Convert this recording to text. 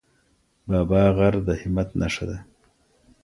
بابا غر د همت نښه ده.